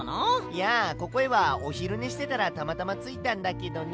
いやここへはおひるねしてたらたまたまついたんだけどね。